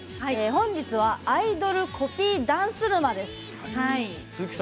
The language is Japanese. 本日はアイドルコピーダンス沼です。